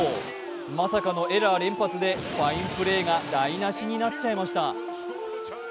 まさかのエラー連発でファインプレーが台なしになっちゃいました。